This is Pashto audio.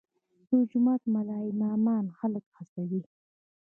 د جومات ملا امامان خلک هڅوي؟